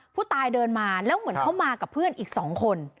ผู้ตายเดินมาแล้วเหมือนเขามากับเพื่อนอีก๒คน